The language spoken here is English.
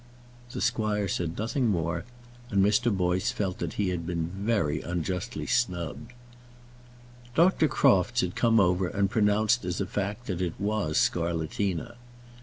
The squire said nothing more, and Mr. Boyce felt that he had been very unjustly snubbed. Dr. Crofts had come over and pronounced as a fact that it was scarlatina.